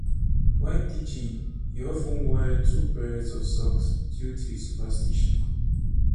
When teaching he often wore two pairs of socks due to his superstitions.